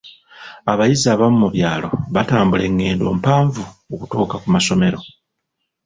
Abayizi abamu mu byalo batambula enngendo mpanvu okutuuka ku masomero.